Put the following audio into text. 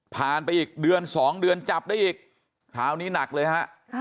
ไปอีกเดือน๒เดือนจับได้อีกคราวนี้หนักเลยฮะ